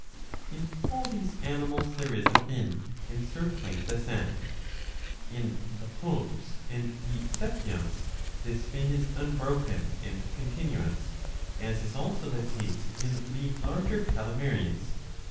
^® In all these animals there is a fin, encircling the sac. In the Poulps and the Sepias this fin is unbroken and continuous, as is also the case in the larger calamaries.